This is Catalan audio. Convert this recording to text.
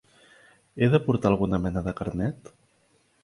He de portar alguna mena de carnet?